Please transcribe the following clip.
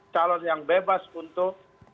calon yang bebas untuk